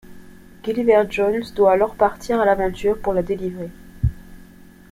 Gulliver Jones doit alors partir à l'aventure pour la délivrer.